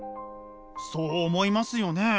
そう思いますよね。